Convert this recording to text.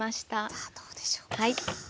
さあどうでしょうか？